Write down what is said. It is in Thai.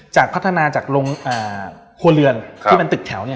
พัฒนาจากลงครัวเรือนที่เป็นตึกแถว